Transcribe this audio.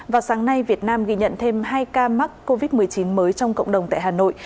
vào sáng nay việt nam ghi nhận thêm hai ca mắc covid một mươi chín mới trong cộng đồng tại hà nội